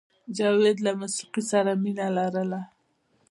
جاوید له موسیقۍ سره مینه لرله